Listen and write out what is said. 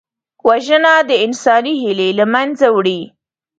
وژنه د انساني هیلې له منځه وړي